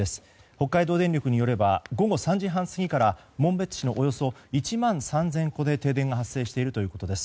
北海道電力によれば午後３時半過ぎから紋別市のおよそ１万３０００戸で停電が発生しているということです。